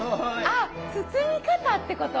あ包み方ってこと？